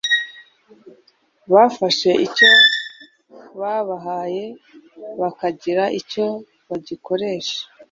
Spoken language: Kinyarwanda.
bafashe icyo babahaye bakagira icyo bagikoresha.